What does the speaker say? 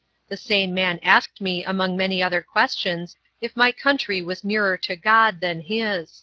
The same man asked me among many other questions if my country was nearer to God than his.